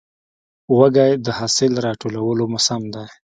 وږی د حاصل راټولو موسم دی.